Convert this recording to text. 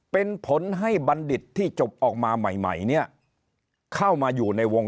เป็นผลให้บัณฑิตที่จบออกมาใหม่ใหม่เนี่ยเข้ามาอยู่ในวง